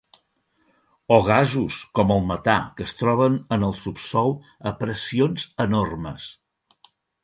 O gasos, com el metà, que es troben en el subsòl a pressions enormes.